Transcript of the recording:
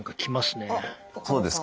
そうですか。